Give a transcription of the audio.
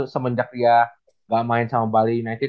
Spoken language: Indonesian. semenjak dia gak main sama bali united